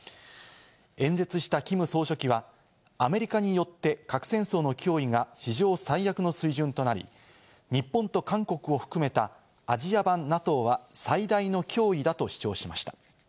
演説したキム総書記は、アメリカによって核戦争の脅威が史上最悪の水準となり、日本と韓国を含めたアジア版ＮＡＴＯは最大の脅威だと主張しました。